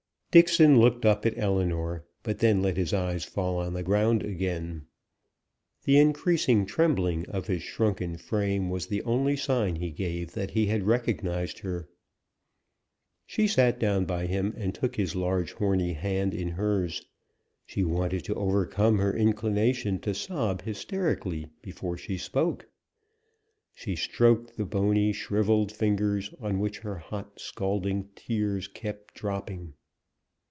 Dixon looked up at Ellinor, but then let his eyes fall on the ground again; the increasing trembling of his shrunken frame was the only sign he gave that he had recognised her. She sat down by him, and took his large horny hand in hers. She wanted to overcome her inclination to sob hysterically before she spoke. She stroked the bony shrivelled fingers, on which her hot scalding tears kept dropping.